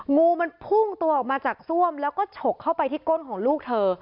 งูมันพุ่งตัวออกมาจากซ่วมแล้วก็ฉกเข้าไปที่ก้นของลูกเธอ